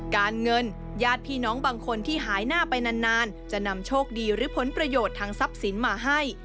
การเงินญาติพี่น้องบางคนที่หายหน้าไปนานจะนำโชคดีหรือผลประโยชน์ทางทรัพย์สินมาให้